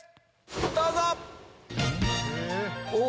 どうぞ！